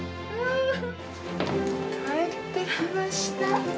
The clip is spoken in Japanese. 帰ってきました。